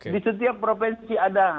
di setiap provinsi ada